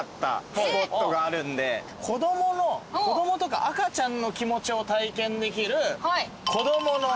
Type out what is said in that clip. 子供の子供とか赤ちゃんの気持ちを体験できる。